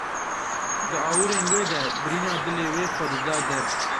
Di awirên wê de birîna dilê wê xwe dida der.